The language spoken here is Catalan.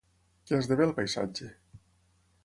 Què esdevé el paisatge?